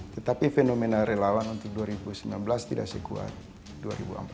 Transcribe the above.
tetapi fenomena relawan untuk dua ribu sembilan belas tidak sekuat